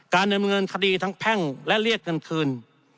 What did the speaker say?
การระบบเงินคดีทั้งแพ่งและเลียกเงินคืน